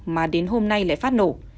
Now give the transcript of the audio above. và đến hôm nay lại phát nổ